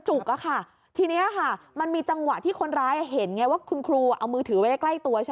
ใช่หลังจากที่เขาชกเราแล้ว